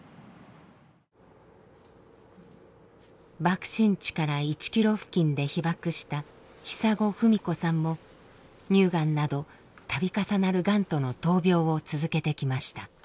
爆心地から１ｋｍ付近で被爆した瓢文子さんも乳がんなど度重なるがんとの闘病を続けてきました。